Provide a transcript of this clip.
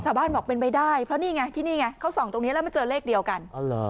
ชาวบ้านบอกเป็นไปได้เพราะนี่ไงที่นี่ไงเขาส่องตรงนี้แล้วมาเจอเลขเดียวกันอ๋อเหรอ